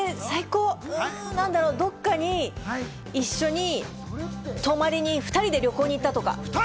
どこかに一緒に泊まりに２人で旅行に行ったとか。